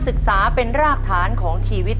ขอเชิญแสงเดือนมาต่อชีวิต